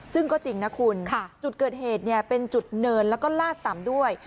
ซึ่งก็จริงนะคุณจุดเกิดเหตุเป็นจุดเนินแล้วก็ลาดต่ำด้วย